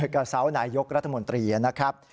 กระเซานายกรัฐมนตรีนะครับ